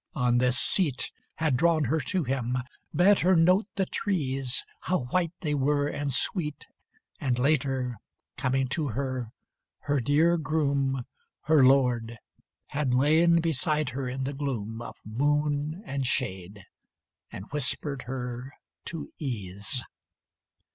On this seat Had drawn her to him, bade her note the trees, How white they were and sweet And later, coming to her, her dear groom, Her Lord, had lain beside her in the gloom Of moon and shade, and whispered her to ease.